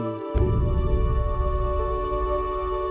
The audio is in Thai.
ข้อมูลประเภท